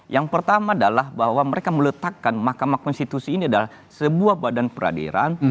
yang pertama adalah bahwa mereka meletakkan mahkamah konstitusi ini adalah sebuah badan peradilan